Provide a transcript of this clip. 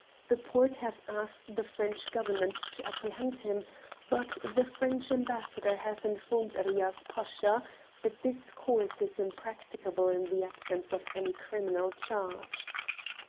The Porte have asked the French Government to apprehend him, but the French Ambassador has informed Riaz Pasha that this course is impracticable in the absence of any criminal charge."